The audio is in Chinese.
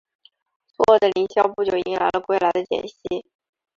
错愕的林萧不久迎来了归来的简溪。